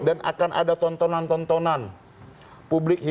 dan akan ada tontonan tontonan publik